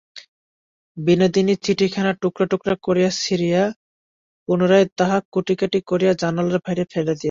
বিনোদিনী চিঠিখানা টুকরা-টুকরা করিয়া ছিঁড়িয়া, পুনরায় তাহা কুটিকুটি করিয়া জানালার বাহিরে ফেলিয়া দিল।